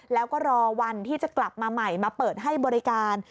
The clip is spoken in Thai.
แล้วก็รอวันที่จะกลับมาใหม่มาเปิดให้บริการ